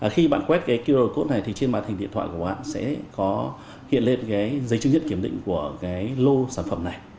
khi bạn quét cái qr code này thì trên màn hình điện thoại của bạn sẽ có hiện lên cái giấy chứng nhận kiểm định của cái lô sản phẩm này